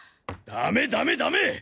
ダメダメダメ！